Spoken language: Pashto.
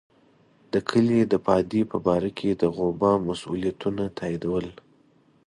د کلي د پادې په باره کې د غوبه مسوولیتونه تاییدول.